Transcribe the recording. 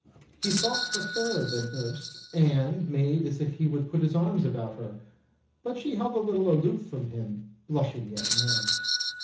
He thought her fairer than erst, and made as if he would put his arms about her, but she held a little aloof from him, blushing yet more.